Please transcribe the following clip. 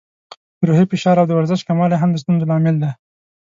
روحي فشار او د ورزش کموالی هم د ستونزو لامل دی.